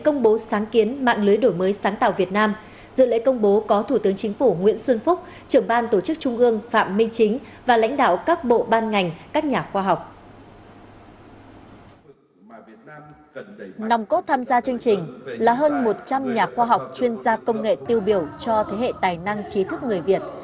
nòng cốt tham gia chương trình là hơn một trăm linh nhà khoa học chuyên gia công nghệ tiêu biểu cho thế hệ tài năng trí thức người việt